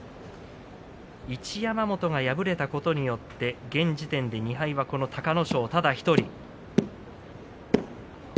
一山本が敗れたことによって現時点で２敗はこの隆の勝ただ１人。